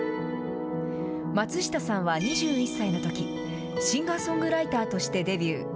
松下さんは２１歳のとき、シンガーソングライターとしてデビュー。